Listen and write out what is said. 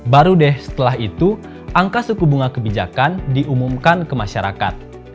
baru deh setelah itu angka suku bunga kebijakan diumumkan ke masyarakat